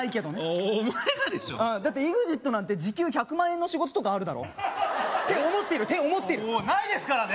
うんお前がでしょだってＥＸＩＴなんて時給１００万円の仕事とかあるだろって思ってるって思ってるないですからね！